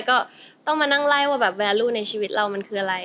ก็ต้องมานั่งไล่ว่าแบบแวร์ลูกในชีวิตเรามันคืออะไร